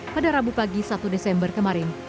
pada rabu pagi satu desember kemarin